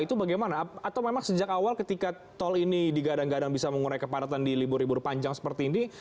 itu bagaimana atau memang sejak awal ketika tol ini digadang gadang bisa mengurai kepadatan di libur libur panjang seperti ini